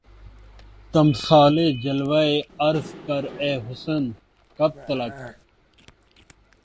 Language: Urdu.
تمثالِ جلوہ عرض کر اے حسن! کب تلک